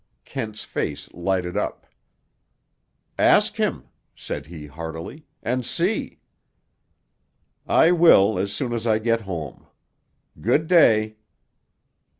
Kent's face lighted up. "Ask him," said he heartily, "and see!" "I will, as soon as I get home. Good day."